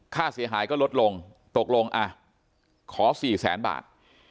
ค่าเสียหายก็ลดลงตกลงอ่ะขอ๔แสนบาท